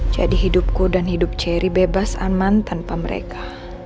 jadi hidupku dan hidup cherry bebas aman tanpa mereka